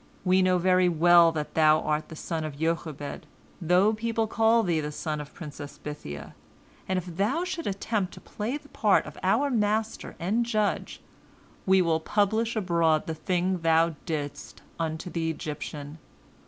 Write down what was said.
We know very well that thou art the son of Jochebed, though people call thee the son of the princess Bithiah, and if thou shouldst attempt to play the part of our master and judge, we will publish abroad the thing thou didst unto the Egyptian.